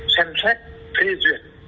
xem xét thay duyệt